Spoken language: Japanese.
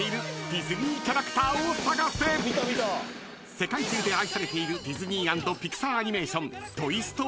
［世界中で愛されているディズニー＆ピクサーアニメーション］